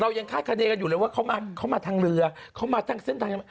ยังคาดคณีกันอยู่เลยว่าเขามาเขามาทางเรือเขามาทางเส้นทาง